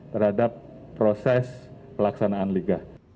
terhadap proses pelaksanaan liga